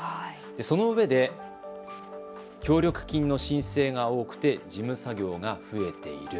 そのうえで協力金の申請が多くて事務作業が増えている。